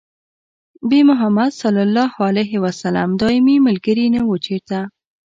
بې محمده ص دايمي ملګري نه وو چېرته